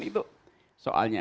itu soalnya itu